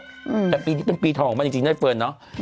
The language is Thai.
อืมแต่ปีนี้เป็นปีทองของมันจริงไงเฟิร์นเนาะ